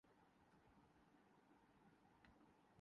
اب تو جیسے عرض کیا بس شام کی پڑی رہتی ہے